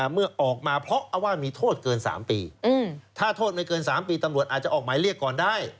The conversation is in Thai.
เมื่อออกมาเพราะว่ามีโทษเกิน๓ปีถ้าโทษไม่เกิน๓ปีตำรวจอาจจะออกหมายเรียกก่อนได้